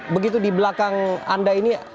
begitu di belakang anda ini